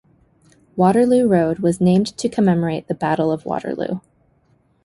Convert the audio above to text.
Waterloo Road was named to commemorate the Battle of Waterloo.